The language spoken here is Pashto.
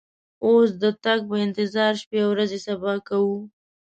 اوس د تګ په انتظار شپې او ورځې صبا کوو.